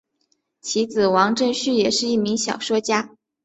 其子王震绪也是一名小说家。